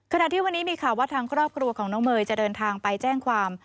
ขณะที่วันนี้มีข่าวว่าทางครอบครัวของน้องเมย์จะเดินทางไปแจ้งความ